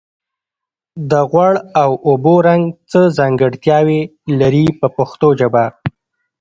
د غوړ او اوبو رنګ څه ځانګړتیاوې لري په پښتو ژبه.